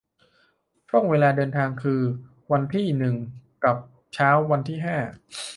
ช่วงเวลาเดินทางคือ วันที่ หนึ่ง กลับเช้าวันที่ ห้า